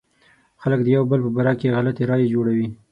خلک د يو بل په باره کې غلطې رايې جوړوي.